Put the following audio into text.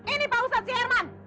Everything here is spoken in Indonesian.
ini pak ustadz si herman